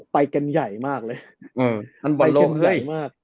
ไปกันใหญ่มากเลย